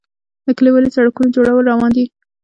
د کلیوالي سړکونو جوړول روان دي